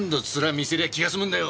見せりゃ気がすむんだよ！